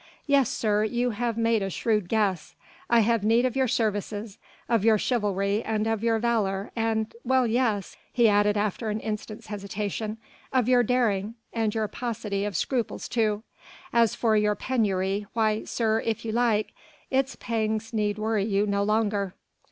Yes, sir, you have made a shrewd guess. I have need of your services, of your chivalry and of your valour and ... well, yes," he added after an instant's hesitation, "of your daring and your paucity of scruples too. As for your penury, why, sir, if you like, its pangs need worry you no longer."